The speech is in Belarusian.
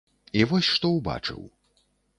І вось што ўбачыў.